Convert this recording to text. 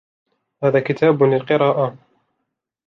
هذا كتاب للقراءة.